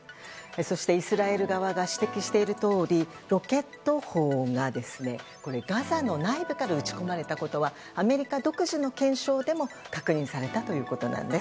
そして、イスラエル側が指摘しているとおりロケット砲がガザの内部から撃ち込まれたことはアメリカ独自の検証でも確認されたということなんです。